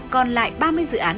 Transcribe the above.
còn lại ba mươi dự án